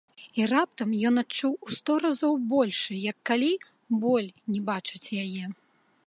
І раптам ён адчуў у сто разоў большы, як калі, боль не бачыць яе.